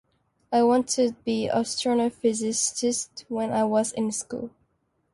I wanted to be an astrophysicist when I was in school.